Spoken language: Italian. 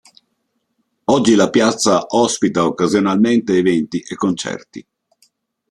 Oggi la piazza ospita occasionalmente eventi e concerti.